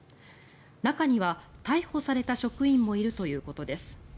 中には逮捕された職員もいるということです。